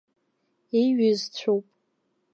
Еиҩызцәоуп.